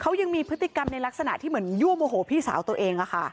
เขายังมีพฤติกรรมในลักษณะที่เหมือนยั่วโมโหพี่สาวตัวเอง